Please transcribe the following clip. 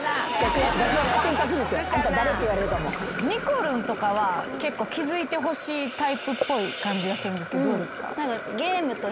にこるんとかは結構気付いてほしいタイプっぽい感じがするんですけどどうですか？